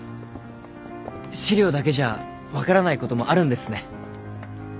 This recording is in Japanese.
資料だけじゃ分からないこともあるんですね。